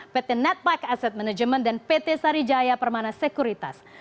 pt netpack asset management dan pt sarijaya permana sekuritas